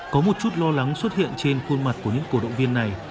có một chút lo lắng xuất hiện trên khuôn mặt của những cổ động viên này